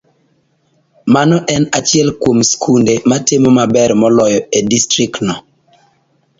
Mano en achiel kuom skunde matimo maber moloyo e distriktno.